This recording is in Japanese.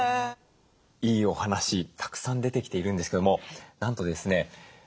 いいお話たくさん出てきているんですけどもなんとですね